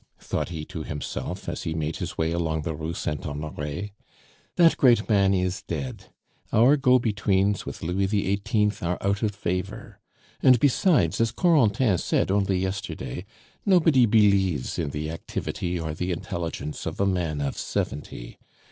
thought he to himself, as he made his way along the Rue Saint Honore, "that great man is dead! our go betweens with Louis XVIII. are out of favor. And besides, as Corentin said only yesterday, nobody believes in the activity or the intelligence of a man of seventy.